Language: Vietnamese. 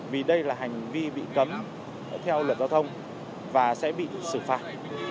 vì đây là hành vi bị cấm theo luật giao thông và sẽ bị xử phạt